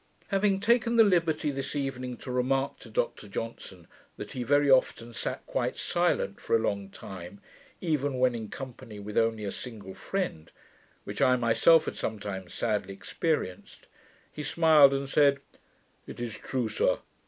Having taken the liberty, this evening, to remark to Dr Johnson, that he very often sat quite silent for a long time, even when in company with only a single friend, which I myself had sometimes sadly experienced, he smiled and said, 'It is true, sir.